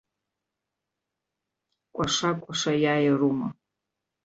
Кәаша-кәаша, иааирума!